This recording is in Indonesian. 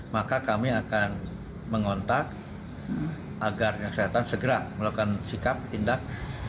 maka kami akan mengontak agar kesehatan segera melakukan sikap tindak